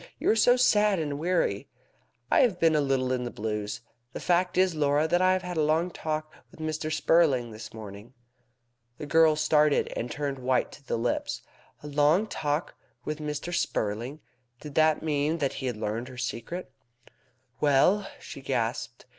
"You look so sad and weary!" "I have been a little in the blues. The fact is, Laura, that I have had a long talk with Mr. Spurling this morning." The girl started, and turned white to the lips. A long talk with Mr. Spurling! Did that mean that he had learned her secret? "Well?" she gasped.